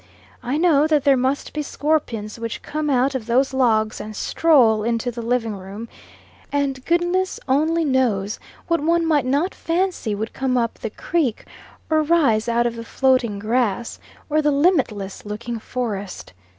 I know that there must be scorpions which come out of those logs and stroll into the living room, and goodness only knows what one might not fancy would come up the creek or rise out of the floating grass, or the limitless looking forest.